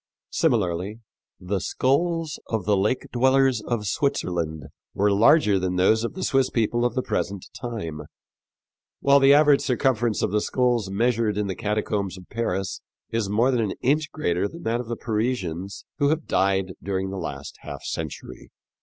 Similarly, the skulls of the lake dwellers of Switzerland were larger than those of the Swiss people of the present time, while the average circumference of the skulls measured in the catacombs of Paris is more than an inch greater than that of the Parisians who have died during the last half century.